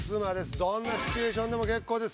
どんなシチュエーションでも結構です。